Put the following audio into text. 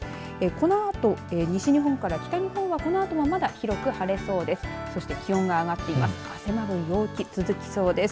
このあと西日本から北日本はこのあともまだ広く晴れそうです。